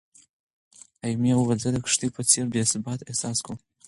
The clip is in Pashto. ایمي ویلي، "زه د کښتۍ په څېر بې ثباته احساس کوم."